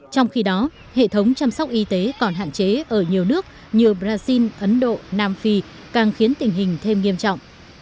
trong khi đó hệ thống chăm sóc y tế còn hạn chế ở nhiều nước như brazil ấn độ nam phi càng khiến tình hình thêm nghiêm trọng